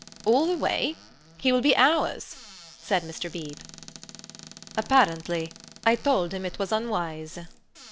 "All the way? He will be hours," said Mr. Beebe. "Apparently. I told him it was unwise."